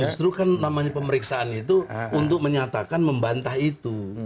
justru kan namanya pemeriksaan itu untuk menyatakan membantah itu